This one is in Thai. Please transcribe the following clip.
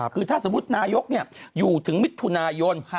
คือถ้าสมมุตินายกอยู่ถึงมิถุนายน